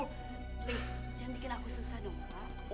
please jangan bikin aku susah dong pak